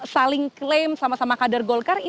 saling klaim sama sama kader golkar